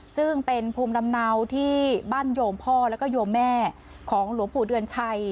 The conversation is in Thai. ซึ่งเป็นภูมิลำเนาที่บ้านโยมพ่อแล้วก็โยมแม่ของหลวงปู่เดือนชัย